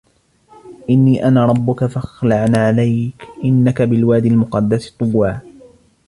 إِنِّي أَنَا رَبُّكَ فَاخْلَعْ نَعْلَيْكَ إِنَّكَ بِالْوَادِ الْمُقَدَّسِ طُوًى